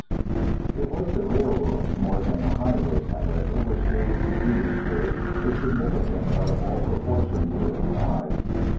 ] It was the railroads more than the highways, however, which gave to Petersburg a significance out of all proportion to its size.